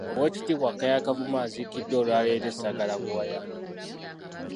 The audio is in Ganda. Owekitiibwa Kaaya Kavuma aziikiddwa olwaleero e Sagala Buwaya.